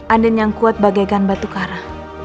andin yang kuat bagai gan batu kara